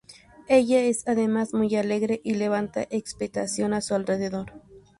Ella es además muy alegre, y levanta expectación a su alrededor.